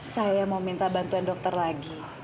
saya mau minta bantuan dokter lagi